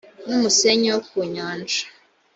n umusenyi wo ku nyanja